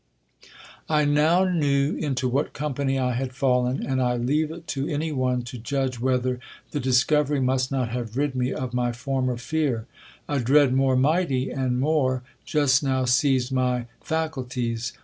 I now knew into what company I had fallen ; and I leave it to any one to judge whether the discovery must not have rid me of my former fear. A dread more mighty and more just now seized my faculties.